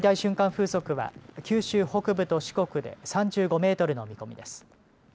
風速は九州北部と四国で３５メートルの見込みです。